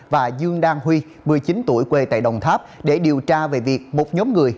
và dương đang huy một mươi chín tuổi quê tại đồng tháp để điều tra về việc một nhóm người